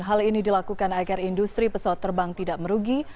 hal ini dilakukan agar industri pesawat terbang tidak merugi